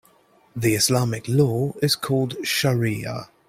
The Islamic law is called shariah.